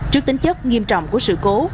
trước tính chất nghiêm trọng của sự cố